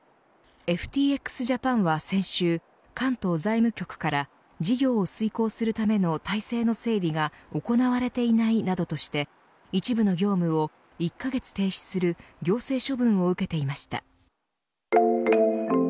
ＦＴＸジャパンは先週関東財務局から事業を遂行するための体制の整備が行われていないなどとして一部の業務を１カ月停止する行政処分を受けていました。